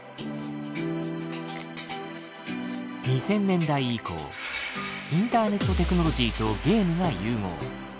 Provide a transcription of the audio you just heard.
２０００年代以降インターネットテクノロジーとゲームが融合。